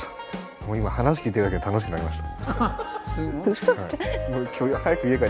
もう今話聞いてるだけで楽しくなりました。